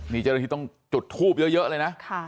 นี่เจ้าหน้าที่ต้องจุดทูบเยอะเลยนะ